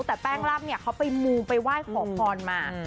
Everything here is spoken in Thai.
แต่แป้งล่ำเนี่ยเขาไปมูไปไหว้ขอพรมา